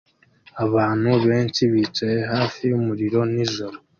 Abantu benshi bicaye hafi yumuriro nijoro